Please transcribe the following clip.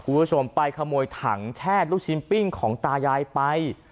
ไปขโมยขายลูกชั่งแช่ลูกชิ้นปิ้งขาวตายายไป